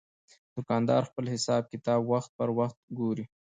دوکاندار خپل حساب کتاب وخت پر وخت ګوري.